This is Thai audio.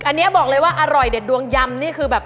อันนี้บอกเลยว่าอร่อยเด็ดดวงยำนี่คือแบบ